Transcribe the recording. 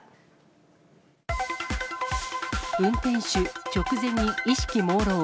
運転手、直前に意識もうろう。